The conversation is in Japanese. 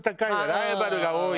ライバルが多い。